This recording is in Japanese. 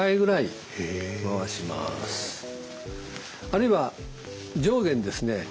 あるいは上下にですね